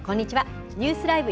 ニュースＬＩＶＥ！